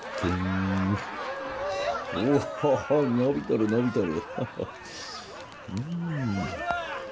お伸びとる伸びとる。